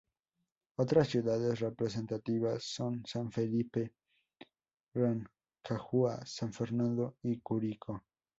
Otras ciudades representativas son San Felipe, Rancagua, San Fernando y Curicó.